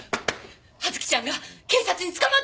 葉月ちゃんが警察に捕まった！